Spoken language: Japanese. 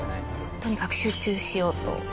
とにかく集中しようと。